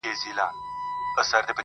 شیخه چي په شک مي درته وکتل معذور یمه-